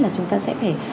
là chúng ta sẽ phải